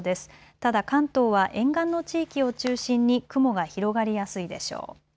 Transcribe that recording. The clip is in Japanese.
ただ関東は沿岸の地域を中心に雲が広がりやすいでしょう。